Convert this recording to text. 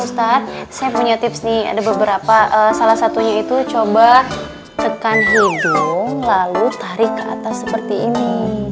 ustadz saya punya tips nih ada beberapa salah satunya itu coba tekan hidung lalu tarik ke atas seperti ini